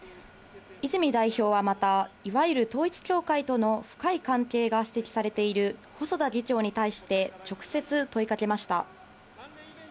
泉代表はまた、いわゆる統一教会との深い関係が指摘されている細田議長に対して、直接問いかけました。